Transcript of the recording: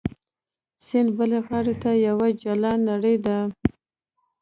سیند بلې غاړې ته یوه جلا نړۍ ده.